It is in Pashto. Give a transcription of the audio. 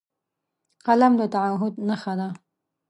قلم د تعهد نښه ده